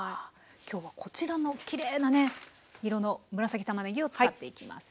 今日はこちらのきれいなね色の紫たまねぎを使っていきます。